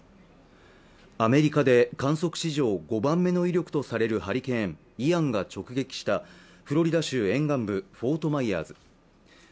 アメリカで観測史上５番目の威力とされるハリケーン・イアンが直撃したフロリダ州沿岸部、フォートマイヤーズ。